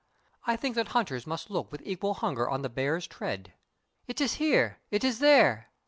I think that hunters must look with equal hunger on the bear's tread. 'T is here! 'T is there!